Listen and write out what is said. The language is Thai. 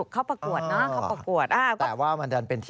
เขาก็จะถาม